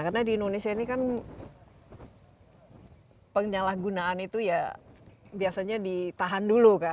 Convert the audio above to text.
karena di indonesia ini kan penyalahgunaan itu ya biasanya ditahan dulu kan